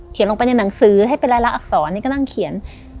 ลงไปในหนังสือให้เป็นรายลักษรนี่ก็นั่งเขียน